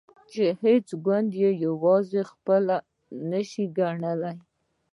چې هیڅ ګوند یې یوازې خپل نشي ګڼلای.